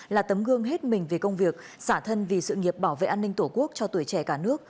là tấm gương hết mình về công việc xả thân vì sự nghiệp bảo vệ an ninh tổ quốc cho tuổi trẻ cả nước